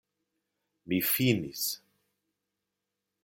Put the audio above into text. Mi finis.